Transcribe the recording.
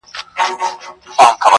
هنرمندان ځانګړی استعداد لري